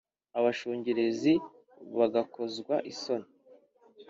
abashungerezi bagakozwa isoni,